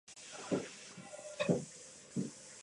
自分の体がどこかに消え去り、なくなってしまうような怖さがあった